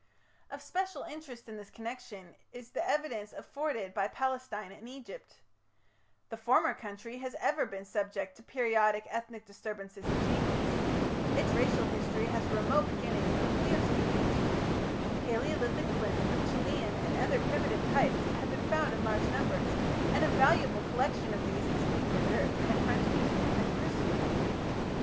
Of special interest in this connection is the evidence afforded by Palestine and Egypt. The former country has ever been subject to periodic ethnic disturbances and changes. Its racial history has a remote beginning in the Pleistocene Age. Palaeolithic flints of Chellean and other primitive types have been found in large numbers, and a valuable collection of these is being preserved in a French museum at Jerusalem.